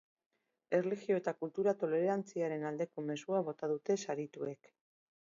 Erlijio eta kultura tolerantziaren aldeko mezua bota dute sarituek.